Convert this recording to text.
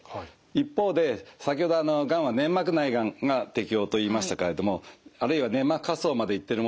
一方で先ほどがんは粘膜内がんが適応と言いましたけれどもあるいは粘膜下層まで行ってるものはですね